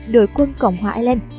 đội quân cộng hòa ireland